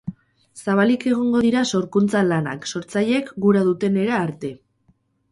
Zabalik egongo dira sorkuntza lanak, sortzaileek gura dutenera arte